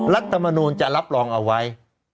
รัฐมนูลจะรับรองเอาไว้